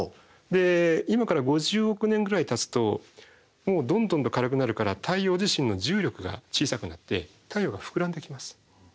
今から５０億年ぐらいたつともうどんどんと軽くなるから太陽自身の重力が小さくなって太陽が膨らんできます。